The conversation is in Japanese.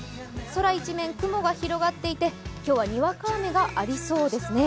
空一面雲が広がっていて、今日はにわか雨がありそうですね。